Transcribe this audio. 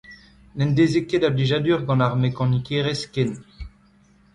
N'en deze ket a blijadur gant ar mekanikerezh ken.